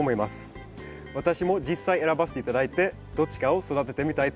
私も実際選ばせて頂いてどっちかを育ててみたいと思います。